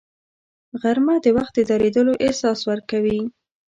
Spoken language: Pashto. غرمه د وخت د درېدلو احساس ورکوي